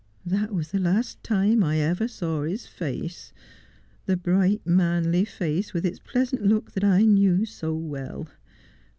That was the last time I ever saw his face — the bright, manly face, with its pleasant look that I knew so well.